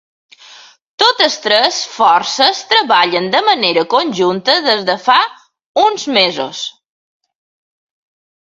Totes tres forces treballen de manera conjunta des de fa uns mesos.